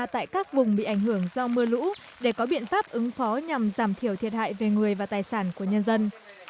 tại các vùng bị ảnh hưởng do mưa lũ để có biện pháp ứng phó nhằm giảm thiểu thiệt hại về người và tài sản của nhân dân